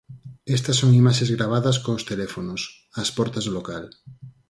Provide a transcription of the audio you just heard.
Estas son imaxes gravadas cos teléfonos, ás portas do local.